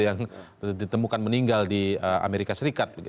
yang ditemukan meninggal di amerika serikat